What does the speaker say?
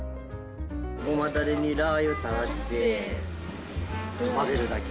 ごまだれにラー油垂らして混ぜるだけ。